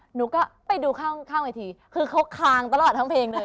หนูก็ไปดูข้างเวทีคือเขาคางตลอดทั้งเพลงเลย